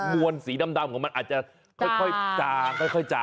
มวนสีดำดำของมันอาจจะค่อยจา